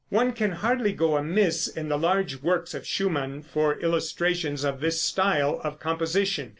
One can hardly go amiss in the large works of Schumann for illustrations of this style of composition.